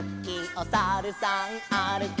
「おさるさんあるき」